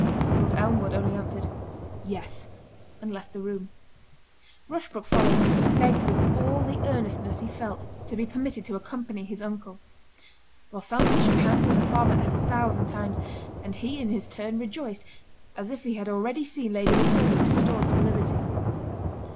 Lord Elmwood only answered, "Yes," and left the room. Rushbrook followed, and begged with all the earnestness he felt, to be permitted to accompany his uncle. While Sandford shook hands with the farmer a thousand times; and he, in his turn, rejoiced, as if he had already seen Lady Matilda restored to liberty.